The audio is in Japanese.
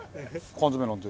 缶詰なんて。